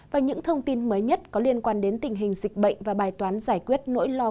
và những thông tin mới nhất có liên quan đến tình hình dịch bệnh và bài toán giải quyết nỗi lo